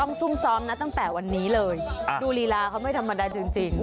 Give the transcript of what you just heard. ซุ่มซ้อมนะตั้งแต่วันนี้เลยดูลีลาเขาไม่ธรรมดาจริง